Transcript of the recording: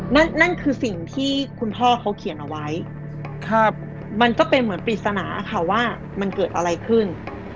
นั่นนั่นคือสิ่งที่คุณพ่อเขาเขียนเอาไว้มันก็เป็นเหมือนปริศนาค่ะว่ามันเกิดอะไรขึ้น